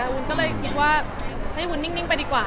วุ้นก็เลยคิดว่าให้วุ้นนิ่งไปดีกว่า